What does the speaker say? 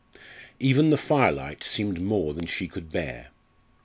Even the fire light seemed more than she could bear.